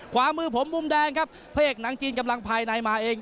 ขวามือผมมุมแดงครับพระเอกหนังจีนกำลังภายในมาเอง